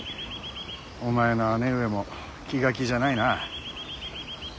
お前の姉上も気が気じゃないな。